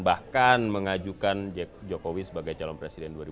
bahkan mengajukan jokowi sebagai calon presiden dua ribu sembilan belas